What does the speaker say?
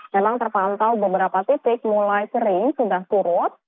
memang terpantau beberapa titik mulai kering sudah surut